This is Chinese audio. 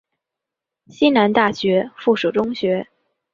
西南大学附属中学。